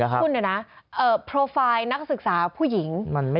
คุณเนี่ยนะโปรไฟล์นักศึกษาผู้หญิง